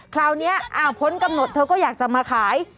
คราวนี้พ้นกำหนดเธอก็อยากจะมาขาย